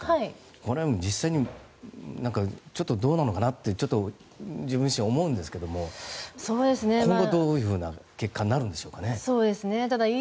これは、どうなのかなって自分自身は思うんですけど今後、どういうふうな結果になるんでしょうかね。